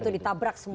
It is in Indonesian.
itu ditabrak semua